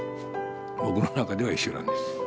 僕の中では一緒なんです。